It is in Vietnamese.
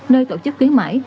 nơi tổ chức khuyến mãi